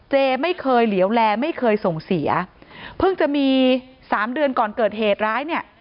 ไม่เคยเหลียวแลไม่เคยส่งเสียเพิ่งจะมีสามเดือนก่อนเกิดเหตุร้ายเนี่ย